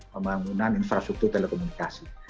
pembangunan infrastruktur telekomunikasi